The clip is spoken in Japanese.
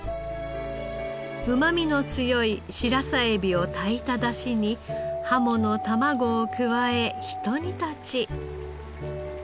うまみの強いシラサエビを炊いた出汁にハモの卵を加えひと煮立ち。